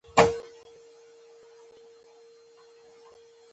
ټول اوسنی افغانستان پکې شامل و.